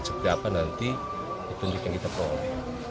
seperti apa nanti petunjuk yang kita peroleh